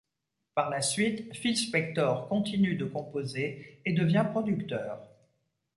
Par la suite, Phil Spector continue de composer et devient producteur.